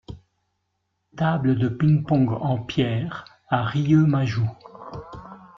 Table de ping-pong, en pierre, à Rieumajou.